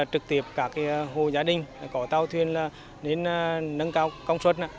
trực tiếp các hồ gia đình có tàu thuyền đến nâng cao công suất